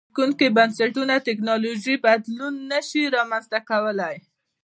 زبېښونکي بنسټونه ټکنالوژیکي بدلونونه نه شي رامنځته کولای.